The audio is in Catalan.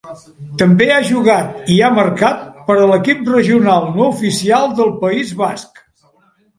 També ha jugat i ha marcat per a l'equip regional no oficial del País Basc.